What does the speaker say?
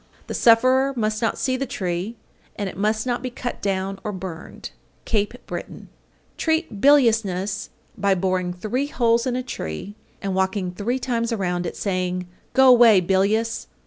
The sufferer must not see the tree, and it must not be cut down or burned. Cape Breton. 834. Treat biliousness by boring three holes in a tree and walking three times around it, saying, "Go away, bilious."